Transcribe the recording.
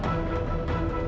tuhan aku ingin menang